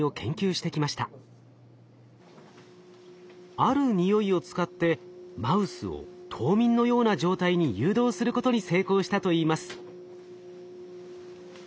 あるにおいを使ってマウスを冬眠のような状態に誘導することに成功したといいます。